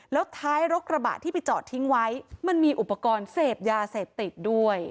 แล้วท้ายรกระบะที่ไปจอดทิ้งไว้มันมีอุปกรณ์เสพยาเสพติดด้วย